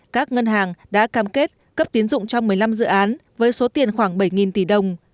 các ngân hàng đã cam kết cấp tiến dụng cho một mươi năm dự án với số tiền khoảng bảy tỷ đồng